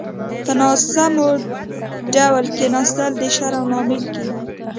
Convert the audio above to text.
په ناسمو ډول کيناستل د شرم لامل کېږي.